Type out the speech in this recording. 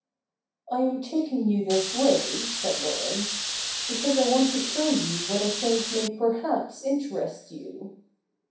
' I am taking you this way,' said Laurence, ' because I want to show you what I think may perhaps interest you.'